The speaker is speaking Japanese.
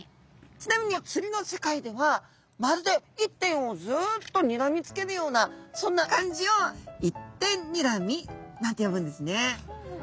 ちなみに釣りの世界ではまるで一点をずっとにらみつけるようなそんな感じを「一点にらみ」なんて呼ぶんですね。